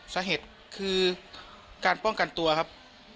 สาเหตุคือการป้องกันตัวครับ